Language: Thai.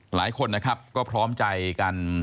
หลายคนนะครับก็พร้อมใจกัน